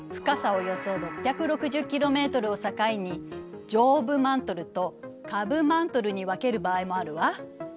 およそ６６０ｋｍを境に「上部マントル」と「下部マントル」に分ける場合もあるわ。